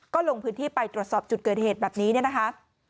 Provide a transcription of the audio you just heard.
ก็ลงพื้นที่ไปตรวจสอบจุดเกิดเหตุแบบนี้เนี่ยนะคะ